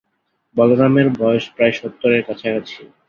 বলরামের বয়স প্রায় সত্তরের কাছাকাছি।